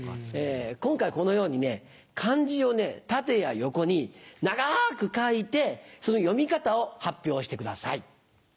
今回このように漢字を縦や横に長く書いてその読み方を発表してください。